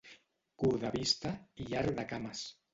Curt de vista i llarg de cames.